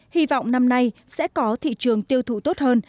hy vọng năm nay sẽ có thị trường tiêu thụ tốt hơn